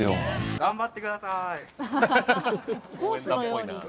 頑張ってください！